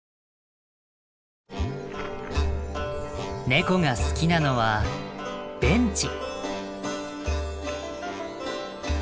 ネコが好きなのはベンチ。